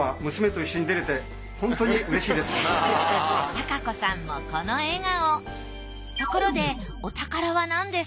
貴子さんもこの笑顔。